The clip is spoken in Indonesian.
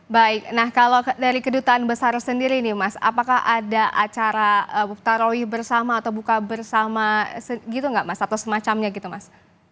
baik nah kalau dari kedutaan besar sendiri nih mas apakah ada acara tarawih bersama atau buka bersama gitu nggak mas atau semacamnya gitu mas